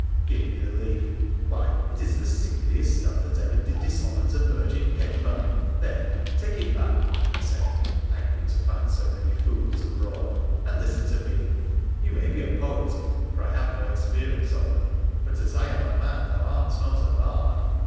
' Give me the leaf ! Why, it is the sickliest stuff that ever did dishonour to virgin paper ! There, take it back,' I said, angry to find so many fools abroad, ' and listen to me ! You k2 133 WONDERFUL ADVENTURES OF may be a poet, for I have no experience of them, but as I am a man thou art not a bard